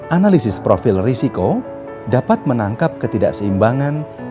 analisis profil risiko dapat menangkap ketidakseimbangan